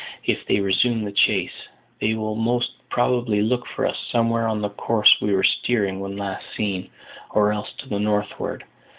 If they resume the chase, they will most probably look for us somewhere on the course we were steering when last seen, or else to the northward.